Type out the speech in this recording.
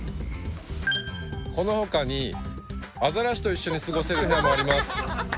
この他にアザラシと一緒に過ごせる部屋もあります。